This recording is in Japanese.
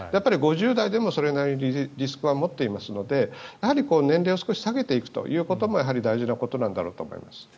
５０代でもそれなりにリスクは持っていますので年齢を下げていくこともやはり大事なことなんだろうと思います。